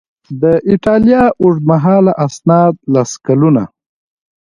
د ایټالیا اوږدمهاله اسناد لس کلونه